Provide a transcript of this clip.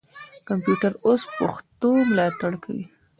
کمپیوټر اوس پښتو ملاتړ کوي.